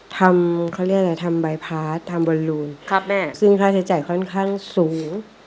ทำบรรลูนซึ่งค่าใช้จ่ายค่อนข้างสูง